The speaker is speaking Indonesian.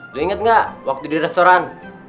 gue inget gak waktu di restoran